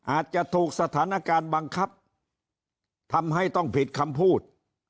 อาจจะถูกสถานการณ์บังคับทำให้ต้องผิดคำพูด